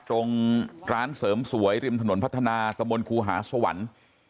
ตรงร้านเสริมสวยริมถนนพัฒนาตะมนต์ครูหาสวรรค์